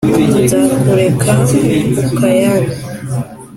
nzakureka ukayane